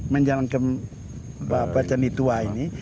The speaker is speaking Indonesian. menjelang ke bapak candi tua ini